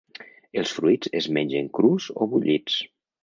Els fruits es mengen crus o bullits.